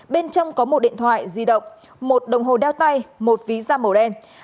bên trong có một điện thoại di động một đồng hồ đeo tay một ví da màu đen